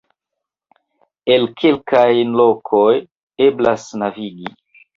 En kelkaj lokoj eblas navigi.